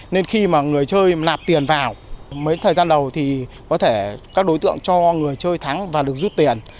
nên khi mà người chơi nạp tiền vào mấy thời gian đầu thì có thể các đối tượng cho người chơi thắng và được rút tiền